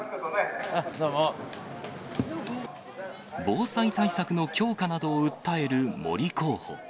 防災対策の強化などを訴える森候補。